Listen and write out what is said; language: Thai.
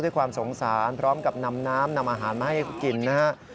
ด้วยความสงสารพร้อมกับนำน้ำนำอาหารมาให้กินนะฮะ